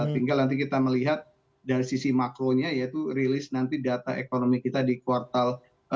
tinggal nanti kita melihat dari sisi makronya yaitu rilis nanti data ekonomi kita di kuartal dua